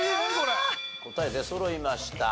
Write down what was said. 答え出そろいました。